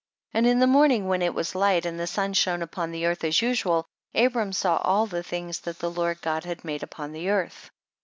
And in the morning when it was Hght and the sun shone upon the earth as usual, Abrani saw all the things that the Lord God had made upon earth.